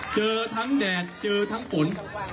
เจอทั้งแดดเจอทั้งฝน